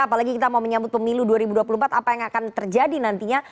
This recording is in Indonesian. apalagi kita mau menyambut pemilu dua ribu dua puluh empat apa yang akan terjadi nantinya